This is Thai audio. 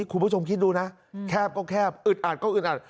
คุณผู้ชมคิดดูนะแคบก็แคบอึดอัดก็อึดอัด